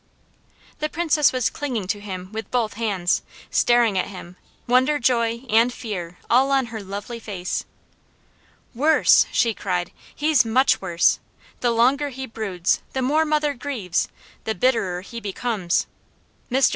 The Princess was clinging to him with both hands, staring at him, wonder, joy, and fear all on her lovely face. "Worse!" she cried. "He's much worse! The longer he broods, the more mother grieves, the bitterer he becomes. Mr.